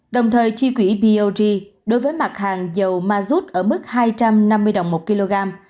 đồng thời chi quỹ pog đối với mặt hàng dầu mazut ở mức hai trăm năm mươi đồng một kg